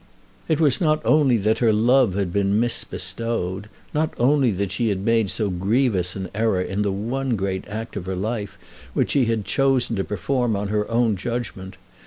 It was not only that her love had been misbestowed, not only that she had made so grievous an error in the one great act of her life which she had chosen to perform on her own judgment!